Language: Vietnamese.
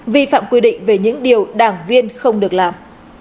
vi phạm quy định về những điều đảng viên không được làm